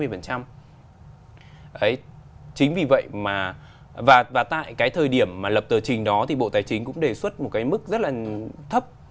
chính vì vậy mà tại cái thời điểm mà lập tờ trình đó thì bộ tài chính cũng đề xuất một cái mức rất là thấp